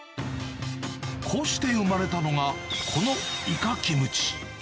こうして生まれたのが、このイカキムチ。